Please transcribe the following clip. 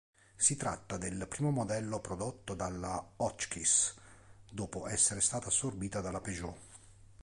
Si tratta del primo modello prodotto dalla Hotchkiss dopo essere stata assorbita dalla Peugeot.